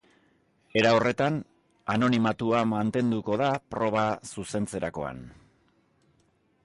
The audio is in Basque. Era horretan, anonimatua mantenduko da proba zuzentzerakoan.